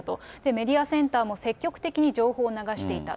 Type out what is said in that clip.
メディアセンターも積極的に情報を流していた。